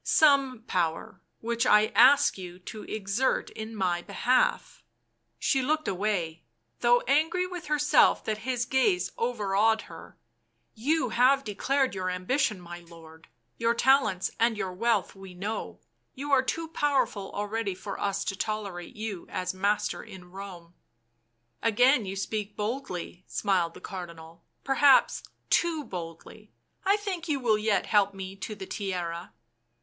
" Some power— which I ask you to exert in my behalf." She looked away, though angry with herself that his gaze overawed her. " You have declared your ambition, my lord ; your talents and your wealth we know — you are too powerful already for us to tolerate you as master in Home." " Again you speak boldly," smiled the Cardinal. C£ Perhaps too boldly — I think you will yet help me to the Tiara."